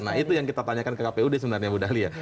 nah itu yang kita tanyakan ke kpud sebenarnya mudah lihat